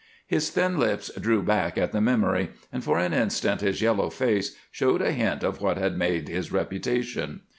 His thin lips drew back at the memory, and for an instant his yellow face showed a hint of what had made his reputation.